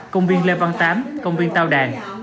công viên lê văn tám công viên tao đàn